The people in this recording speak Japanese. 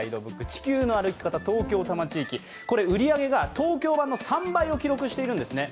「地球の歩き方東京・多摩地域」売り上げが東京版の３倍を記録しているんですね。